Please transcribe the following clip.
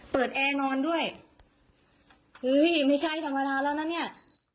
แอร์นอนด้วยเฮ้ยไม่ใช่ธรรมดาแล้วนะเนี่ย